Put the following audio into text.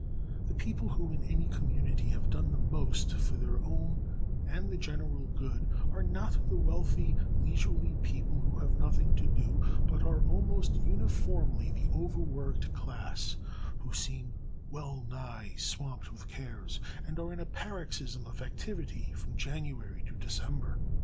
The people who, in any community, have done the most for their own and the general good are not the wealthy, leisurely people who have nothing to do, but are almost uniformly the overworked class, who seem well nigh swamped with cares, and are in a paroxysm of activity from January to December.